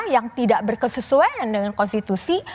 yang tidak berkesesuaian dengan konstitusi